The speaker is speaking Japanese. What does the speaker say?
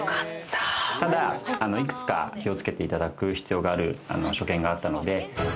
ただ、いくつか気をつけていただく必要がある所見があったので。